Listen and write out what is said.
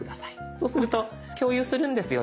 そうすると「共有するんですよね